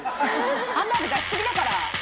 ハンバーグ出しすぎだから！